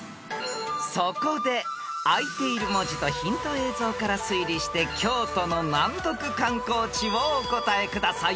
［そこであいている文字とヒント映像から推理して京都の難読観光地をお答えください］